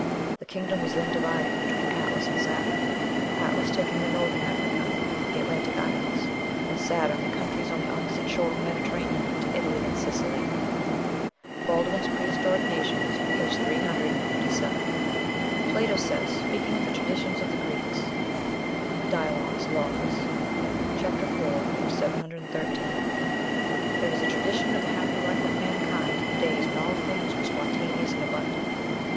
The kingdom was then divided between Atlas and Saturn Atlas taking Northern Africa, with the Atlantic islands, and Saturn the countries on the opposite shore of the Mediterranean to Italy and Sicily." (Baldwin's "Prehistoric Nations," p. 357.) Plato says, speaking of the traditions of the Greeks ("Dialogues, Laws," c. iv., p. 713), "There is a tradition of the happy life of mankind in the days when all things were spontaneous and abundant....